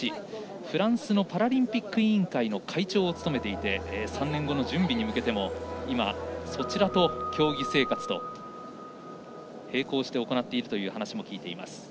フランスのパラリンピック委員会の会長を務めていて３年後の準備に向けても今そちらと競技生活と、並行して行っているという話も聞いてます。